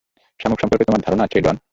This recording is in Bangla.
শামুক সম্পর্কে তোমার ধারণা আছে, ডন?